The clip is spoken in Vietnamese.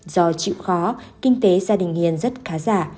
do chịu khó kinh tế gia đình hiền rất khá giả